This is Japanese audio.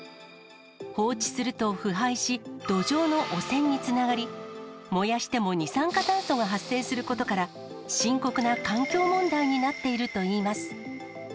放置すると腐敗し、土壌の汚染につながり、燃やしても二酸化炭素が発生することから、深刻な環境問題になっているといいます。